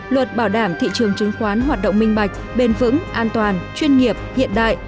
luật bảo đảm thị trường chứng khoán hoạt động minh bạch bền vững an toàn chuyên nghiệp hiện đại